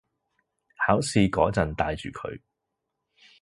考試嗰陣戴住佢